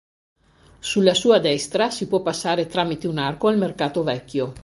Sulla sua destra si può passare tramite un arco al Mercato Vecchio.